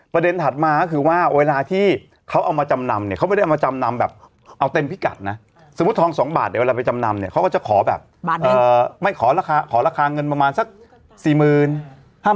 ถัดมาก็คือว่าเวลาที่เขาเอามาจำนำเนี่ยเขาไม่ได้เอามาจำนำแบบเอาเต็มพิกัดนะสมมุติทอง๒บาทเนี่ยเวลาไปจำนำเนี่ยเขาก็จะขอแบบไม่ขอราคาเงินประมาณสัก๔๕๐๐บาท